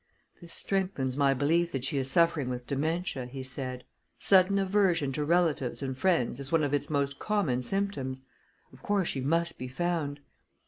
"This strengthens my belief that she is suffering with dementia," he said. "Sudden aversion to relatives and friends is one of its most common symptoms. Of course, she must be found."